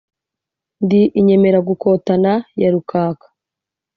ndi inyemeragukotana ya rukaka